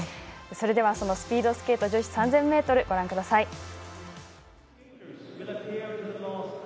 それではスピードスケート女子３０００ｍ、ご覧ください。